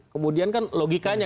kemudian kan logikanya